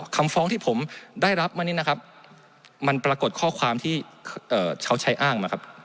คำฟ้องที่ผมได้รับมานี้นะครับมันปรากฏข้อความที่เขาใช้อ้างมาครับ